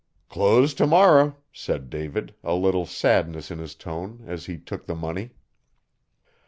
'Close t'morrer,' said David, a little sadness in his tone, as he took the money.